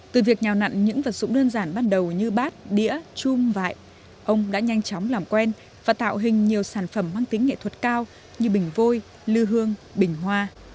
từ việc nhào nặn những vật dụng đơn giản ban đầu như bát đĩa chum vải ông đã nhanh chóng làm quen và tạo hình nhiều sản phẩm mang tính nghệ thuật cao như bình vôi lư hương bình hoa